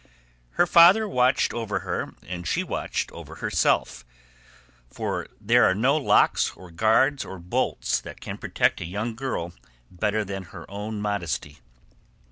Her father watched over her and she watched over herself; for there are no locks, or guards, or bolts that can protect a young girl better than her own modesty.